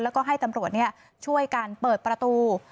แล้วก็ให้ตำรวจช่วยกันเปิดประตู